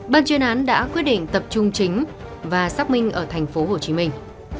bàn truyền án đã quyết định tập trung chính và xác minh ở thành phố hồ chí minh